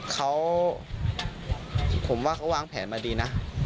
เขาผมว่าเขาวางแผนมาดีนะ